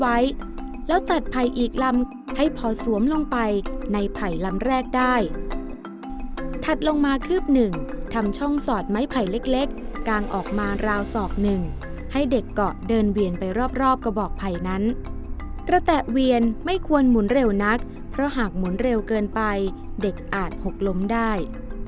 ไว้แล้วตัดไผ่อีกลำให้พอสวมลงไปในไผ่ลำแรกได้ถัดลงมาคืบหนึ่งทำช่องสอดไม้ไผ่เล็กเล็กกางออกมาราวสอกหนึ่งให้เด็กเกาะเดินเวียนไปรอบรอบกระบอกไผ่นั้นกระแตะเวียนไม่ควรหมุนเร็วนักเพราะหากหมุนเร็วเกินไปเด็กอาจหกล้มได้